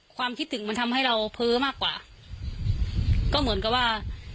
ความคิดถึงมันทำให้เราเพ้อมากกว่าก็เหมือนกับว่า